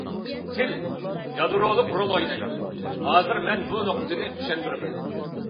تىل يادرولۇق رول ئوينايدۇ، ھازىر مەن بۇ نۇقتىنى چۈشەندۈرىمەن.